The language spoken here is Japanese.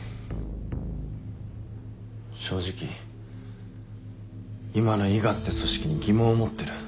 正直今の伊賀って組織に疑問を持ってる。